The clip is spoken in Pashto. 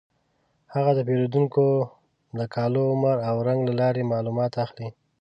هغه د پیریدونکو د کالو، عمر او رنګ له لارې معلومات اخلي.